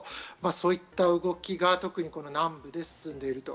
そういった動きが特にこの南部で進んでいると。